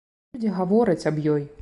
Людзі гавораць аб ёй.